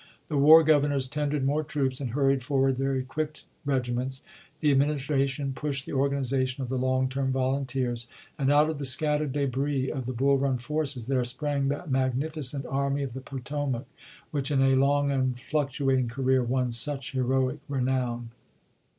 The war Governors tendered more troops and hurried forward their equipped regiments; the Admin istration pushed the organization of the long term volunteers ; and out of the scattered debris of the Bull Run forces there sprang that magnificent Army of the Potomac, which in a long and fluctu ating career won such historic renown.